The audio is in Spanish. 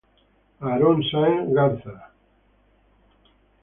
Aarón Sáenz Garza, el Gral.